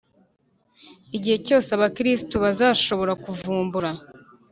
igihe cyose abakristu bazashobora kuvumbura